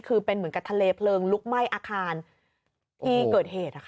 คือเป็นเหมือนกับทะเลเพลิงลุกไหม้อาคารที่เกิดเหตุ